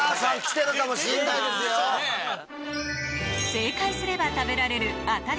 正解すれば食べられる